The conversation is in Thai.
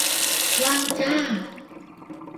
ว่างจ้า